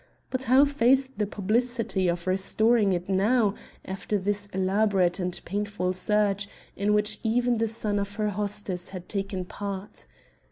But how face the publicity of restoring it now, after this elaborate and painful search, in which even the son of her hostess had taken part?